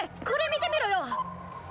これ見てみろよ！